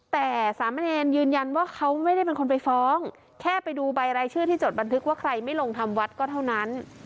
แต่สามเณรยืนยันว่าเขาไม่ได้เป็นคนไปฟ้องแค่ไปดูใบรายชื่อที่จดบันทึกว่าใครไม่ลงทำวัดก็เท่านั้น